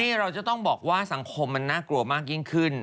นี่เราจะต้องบอกว่าสังคมมันน่ากลัวมากยิ่งขึ้น